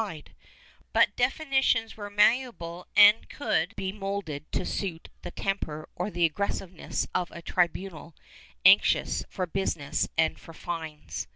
XV] DEFINITION DIFFICULT 33^ but definitions were malleable and could be moulded to suit the temper or the aggressiveness of a tribunal anxious for business and for fines.